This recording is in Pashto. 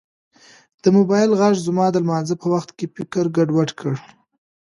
د موبایل غږ زما د لمانځه په وخت کې فکر ګډوډ کړ.